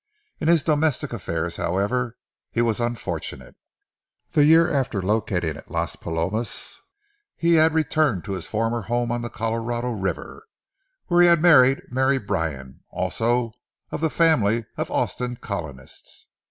In his domestic affairs, however, he was unfortunate. The year after locating at Las Palomas, he had returned to his former home on the Colorado River, where he had married Mary Bryan, also of the family of Austin's colonists.